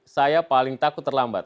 saya paling takut terlambat